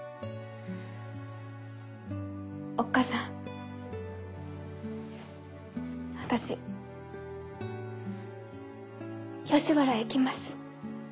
おっ母さん私吉原へ行きます。